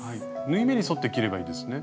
縫い目に沿って切ればいいですね？